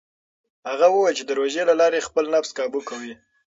هغه وویل چې د روژې له لارې خپل نفس کابو کوي.